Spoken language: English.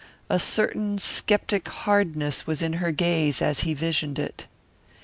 A certain skeptic hardness was in her gaze as he visioned it.